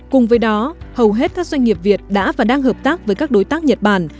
cùng với đó hầu hết các doanh nghiệp việt đã và đang hợp tác với các đối tác nhật bản